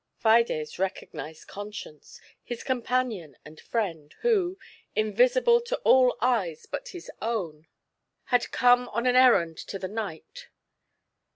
Fides recognized Con science, his companion and friend, who, invisible to all eyes but his own, had come on an errand to the knight.